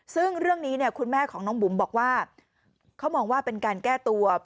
ซึ่งเรื่องนี้เนี่ยคุณแม่ของน้องบุ๋มบอกว่าเขามองว่าเป็นการแก้ตัว